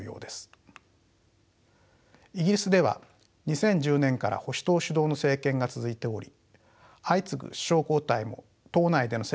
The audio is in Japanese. イギリスでは２０１０年から保守党主導の政権が続いており相次ぐ首相交代も党内での政権移動です。